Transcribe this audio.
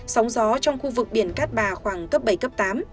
sóng gió trong khu vực biển cát bà khoảng cấp bảy cấp tám